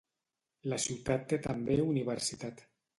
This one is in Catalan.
La ciutat té també universitat.